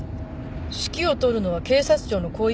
指揮を執るのは警察庁の広域？